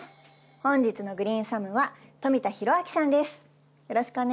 本日のグリーンサムは富田裕明さんです。